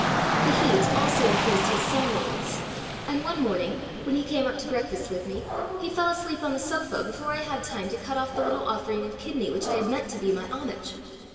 The heat also increased his somnolence, and one morning, when he came up to breakfast with me, he fell asleep on the sofa before I had time to cut off the little offering of kidney which I had meant to be my homage.